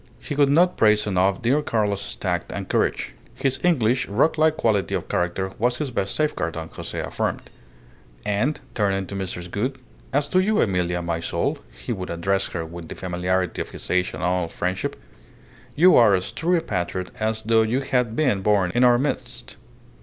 He could not praise enough dear Carlos's tact and courage. His English, rock like quality of character was his best safeguard, Don Jose affirmed; and, turning to Mrs. Gould, "As to you, Emilia, my soul" he would address her with the familiarity of his age and old friendship "you are as true a patriot as though you had been born in our midst."